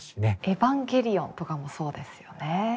「エヴァンゲリオン」とかもそうですよね。